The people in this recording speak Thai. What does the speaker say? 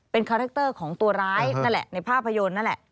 เป็นคาแรคเตอร์ของตัวร้ายนั่นแหละในภาพยนตร์นั่นแหละ